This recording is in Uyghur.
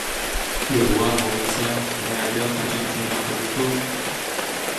ئىغۋا بولمىسا، نەدە، قاچان شۇنداق قىلىپتۇ؟